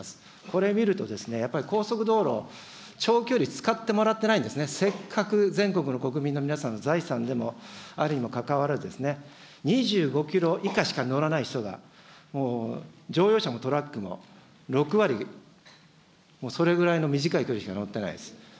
これ見ると、やっぱり高速道路、長距離使ってもらってないんですね、せっかく全国の国民の皆さんの財産であるにもかかわらず、２５キロ以下しか乗らない人が、もう乗用車もトラックも６割、もうそれぐらいの短い距離しか乗ってないです。